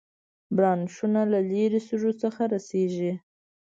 برانشونو له لارې سږو ته رسېږي.